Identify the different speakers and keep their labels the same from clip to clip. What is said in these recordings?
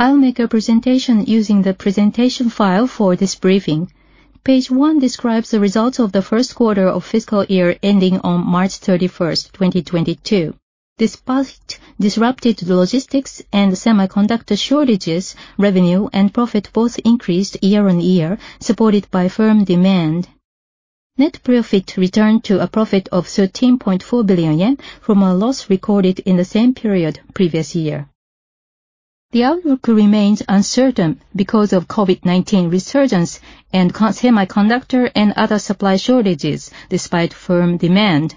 Speaker 1: I'll make a presentation using the presentation file for this briefing. Page one describes the results of the first quarter of fiscal year ending on March 31st, 2022. Despite disrupted logistics and semiconductor shortages, revenue and profit both increased year-on-year supported by firm demand. Net profit returned to a profit of 13.4 billion yen from a loss recorded in the same period previous year. The outlook remains uncertain because of COVID-19 resurgence and semiconductor and other supply shortages, despite firm demand.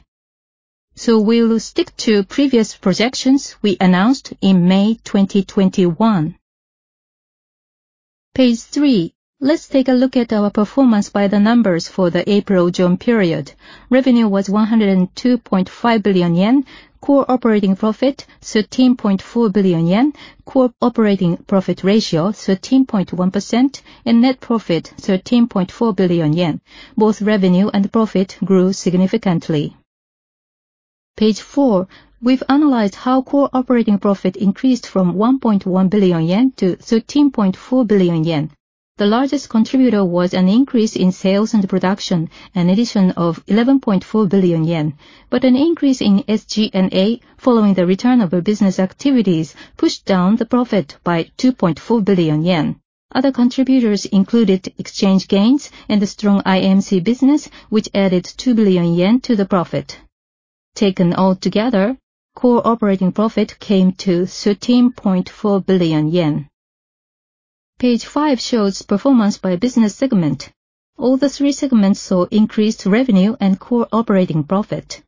Speaker 1: We'll stick to previous projections we announced in May 2021. Page three. Let's take a look at our performance by the numbers for the April-June period. Revenue was 102.5 billion yen, core operating profit 13.4 billion yen, core operating profit ratio 13.1%, and net profit 13.4 billion yen. Both revenue and profit grew significantly. Page four, we've analyzed how core operating profit increased from 1.1 billion yen to 13.4 billion yen. The largest contributor was an increase in sales and production, an addition of 11.4 billion yen. An increase in SG&A following the return of business activities pushed down the profit by 2.4 billion yen. Other contributors included exchange gains and the strong IMC business, which added 2 billion yen to the profit. Taken all together, core operating profit came to 13.4 billion yen. Page five shows performance by business segment. All the three segments saw increased revenue and core operating profit.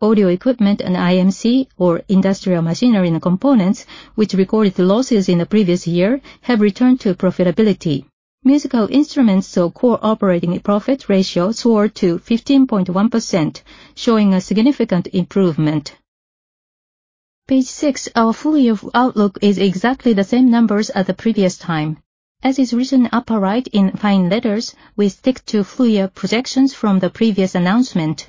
Speaker 1: Audio equipment and IMC, or industrial machinery and components, which recorded losses in the previous year, have returned to profitability. Musical instruments saw core operating profit ratio soar to 15.1%, showing a significant improvement. Page six. Our full year outlook is exactly the same numbers as the previous time. As is written upper right in fine letters, we stick to full year projections from the previous announcement.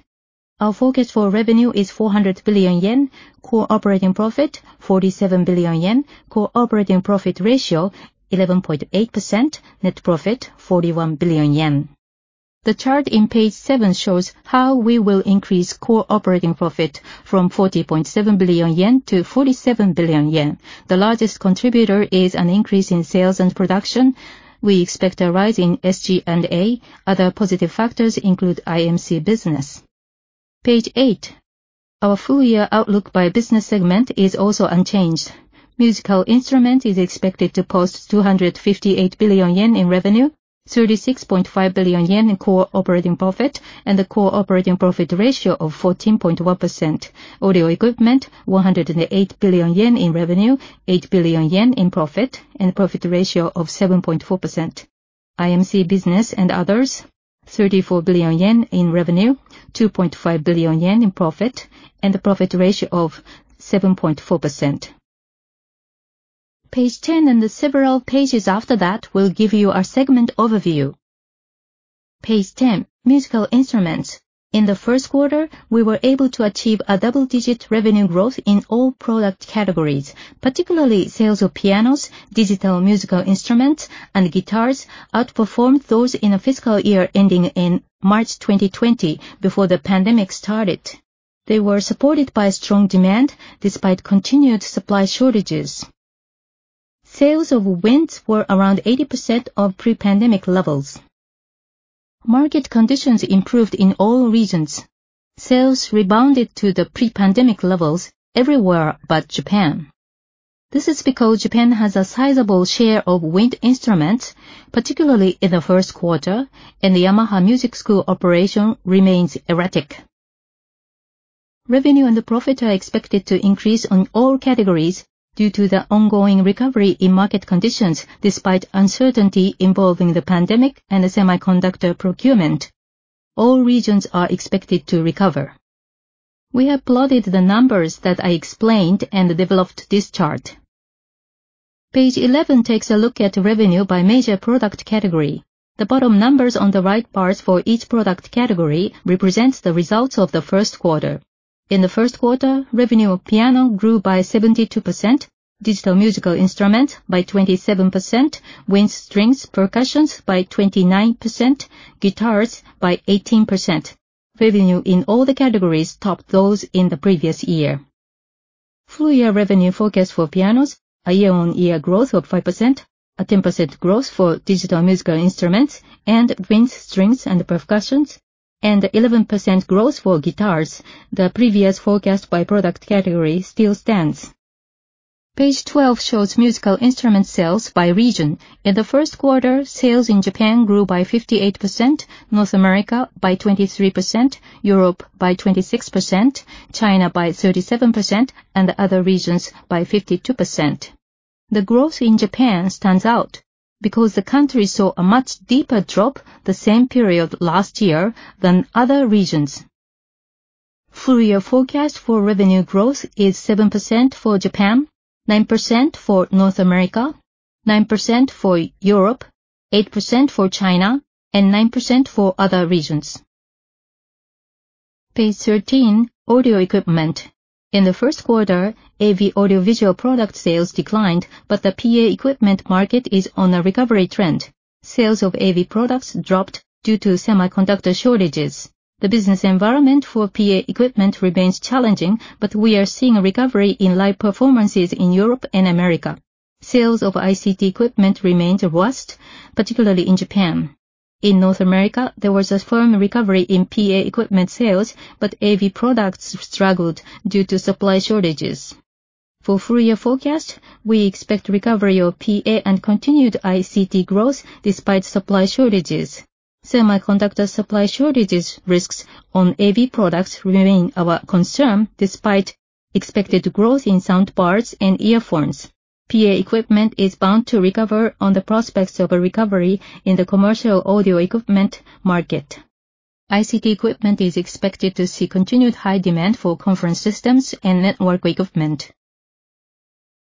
Speaker 1: Our forecast for revenue is 400 billion yen, core operating profit 47 billion yen, core operating profit ratio 11.8%, net profit 41 billion yen. The chart on page seven shows how we will increase core operating profit from 40.7 billion yen to 47 billion yen. The largest contributor is an increase in sales and production. We expect a rise in SG&A. Other positive factors include IMC business. Page eight. Our full year outlook by business segment is also unchanged. Musical instrument is expected to post 258 billion yen in revenue, 36.5 billion yen in core operating profit, and a core operating profit ratio of 14.1%. Audio equipment, 108 billion yen in revenue, 8 billion yen in profit, and a profit ratio of 7.4%. IMC business and others, 34 billion yen in revenue, 2.5 billion yen in profit, and a profit ratio of 7.4%. Page 10 and the several pages after that will give you our segment overview. Page 10, musical instruments. In the first quarter, we were able to achieve a double-digit revenue growth in all product categories. Particularly, sales of pianos, digital musical instruments, and guitars outperformed those in the fiscal year ending in March 2020, before the pandemic started. They were supported by strong demand despite continued supply shortages. Sales of winds were around 80% of pre-pandemic levels. Market conditions improved in all regions. Sales rebounded to the pre-pandemic levels everywhere but Japan. This is because Japan has a sizable share of wind instruments, particularly in the first quarter, and the Yamaha Music School operation remains erratic. Revenue and the profit are expected to increase on all categories due to the ongoing recovery in market conditions despite uncertainty involving the pandemic and the semiconductor procurement. All regions are expected to recover. We have plotted the numbers that I explained and developed this chart. Page 11 takes a look at revenue by major product category. The bottom numbers on the right bars for each product category represents the results of the first quarter. In the first quarter, revenue of piano grew by 72%, digital musical instruments by 27%, winds, strings, percussions by 29%, guitars by 18%. Revenue in all the categories topped those in the previous year. Full year revenue forecast for pianos, a year-on-year growth of 5%, a 10% growth for digital musical instruments and winds, strings and percussions, and 11% growth for guitars. The previous forecast by product category still stands. Page 12 shows musical instrument sales by region. In the first quarter, sales in Japan grew by 58%, North America by 23%, Europe by 26%, China by 37%, and other regions by 52%. The growth in Japan stands out because the country saw a much deeper drop the same period last year than other regions. Full year forecast for revenue growth is 7% for Japan, 9% for North America, 9% for Europe, 8% for China, and 9% for other regions. Page 13, Audio Equipment. In the first quarter, AV audio visual product sales declined, but the PA equipment market is on a recovery trend. Sales of AV products dropped due to semiconductor shortages. The business environment for PA equipment remains challenging, but we are seeing a recovery in live performances in Europe and America. Sales of ICT equipment remains robust, particularly in Japan. In North America, there was a firm recovery in PA equipment sales, but AV products struggled due to supply shortages. For full year forecast, we expect recovery of PA and continued ICT growth despite supply shortages. Semiconductor supply shortages risks on AV products remain our concern despite expected growth in sound bars and earphones. PA equipment is bound to recover on the prospects of a recovery in the commercial audio equipment market. ICT equipment is expected to see continued high demand for conference systems and network equipment.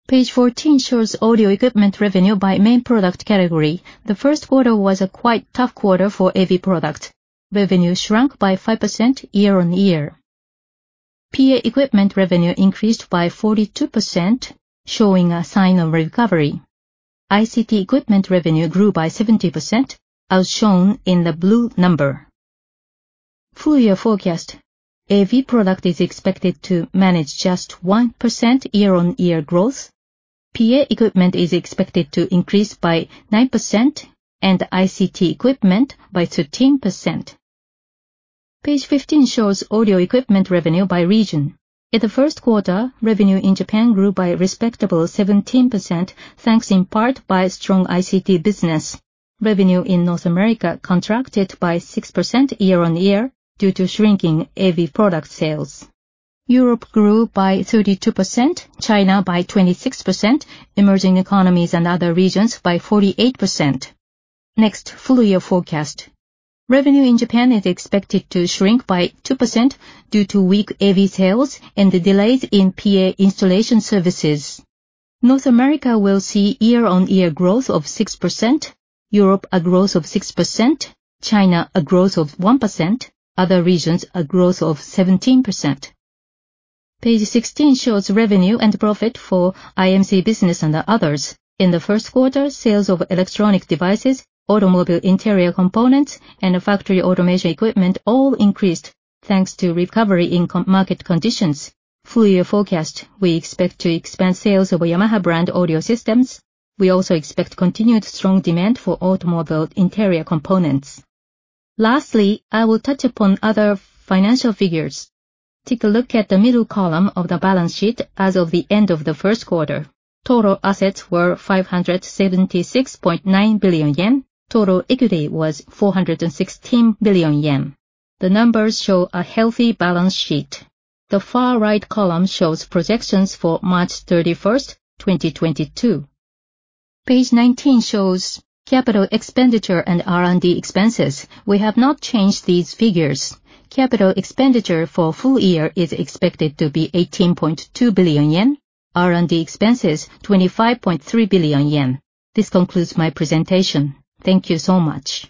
Speaker 1: Page 14 shows Audio Equipment revenue by main product category. The first quarter was a quite tough quarter for AV product. Revenue shrunk by 5% year-on-year. PA equipment revenue increased by 42%, showing a sign of recovery. ICT equipment revenue grew by 70%, as shown in the blue number. Full year forecast. AV product is expected to manage just 1% year-on-year growth, PA equipment is expected to increase by 9%, and ICT equipment by 13%. Page 15 shows Audio Equipment revenue by region. In the first quarter, revenue in Japan grew by a respectable 17%, thanks in part by strong ICT business. Revenue in North America contracted by 6% year-on-year due to shrinking AV product sales. Europe grew by 32%, China by 26%, emerging economies and other regions by 48%. Next, full year forecast. Revenue in Japan is expected to shrink by 2% due to weak AV sales and the delays in PA installation services. North America will see year-on-year growth of 6%, Europe a growth of 6%, China a growth of 1%, other regions a growth of 17%. Page 16 shows revenue and profit for IMC business and others. In the first quarter, sales of electronic devices, automobile interior components, and factory automation equipment all increased thanks to recovery in market conditions. Full year forecast, we expect to expand sales of Yamaha brand audio systems. We also expect continued strong demand for automobile interior components. Lastly, I will touch upon other financial figures. Take a look at the middle column of the balance sheet as of the end of the first quarter. Total assets were 576.9 billion yen. Total equity was 416 billion yen. The numbers show a healthy balance sheet. The far right column shows projections for March 31st, 2022. Page 19 shows capital expenditure and R&D expenses. We have not changed these figures. Capital expenditure for full year is expected to be 18.2 billion yen, R&D expenses, 25.3 billion yen. This concludes my presentation. Thank you so much.